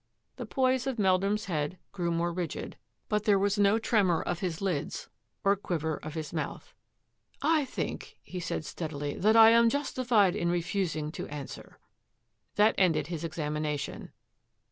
The poise of Meldrum's head grew more rigid, but there was no tremor of his lids or quiver of his mouth. " I think/' he said steadily, " that I am justified in refusing to answer."